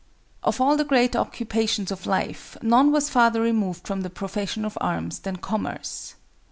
Of all the great occupations of life, none was farther removed from the profession of arms than commerce.